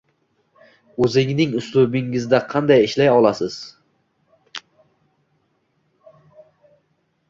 Oʻzingning uslubingizda qanday ishlay olasiz?